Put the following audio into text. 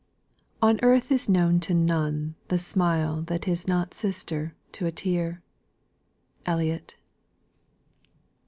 "On earth is known to none The smile that is not sister to a tear." ELLIOTT.